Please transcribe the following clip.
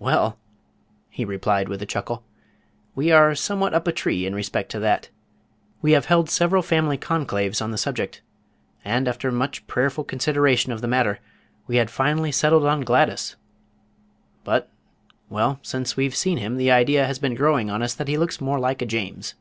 "Well," he replied with a chuckle, "we are somewhat up a tree in respect to that. We have held several family conclaves on the subject, and after much prayerful consideration of the matter we had finally settled on Gladys, but well, since we've seen him the idea has been growing on us that he looks more like a James."